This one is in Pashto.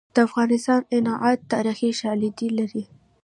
د افغانستان عنعنات تاریخي شالید لري.